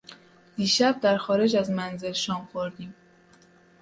دیشب در خارج از منزل شام خوردیم.